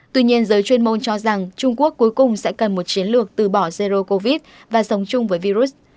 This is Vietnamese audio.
tuy nhiên giới chuyên môn cho rằng trung quốc cuối cùng sẽ cần một chiến lược từ bỏ zero covid và sống chung với virus